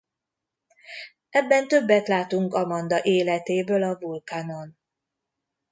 Ebben többet látunk Amanda életéből a Vulcanon.